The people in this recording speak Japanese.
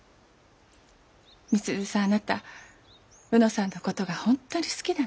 美鈴さんあなた卯之さんのことが本当に好きなのね。